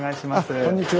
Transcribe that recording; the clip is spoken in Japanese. こんにちは。